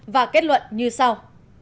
và kết luận như sau